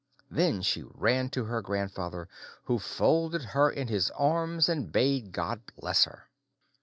Then she ran to her grandfather, who folded her in his arms and bade God bless her.